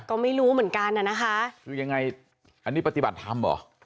ก็ไม่รู้เหมือนกันอ่ะนะคะคือยังไงอันนี้ปฏิบัติธรรมเหรอ